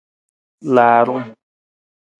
Laarung.